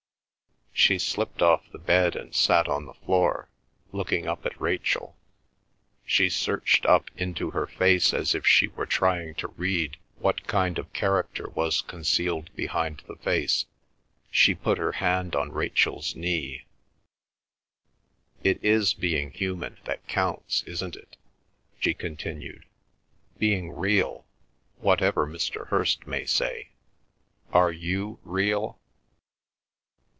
She slipped off the bed and sat on the floor, looking up at Rachel. She searched up into her face as if she were trying to read what kind of character was concealed behind the face. She put her hand on Rachel's knee. "It is being human that counts, isn't it?" she continued. "Being real, whatever Mr. Hirst may say. Are you real?"